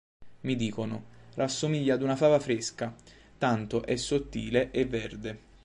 Mi dicono, rassomiglia ad una fava fresca, tanto è sottile e verde.